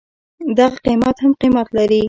دغه قيمت هم قيمت لري.